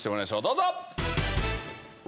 どうぞ！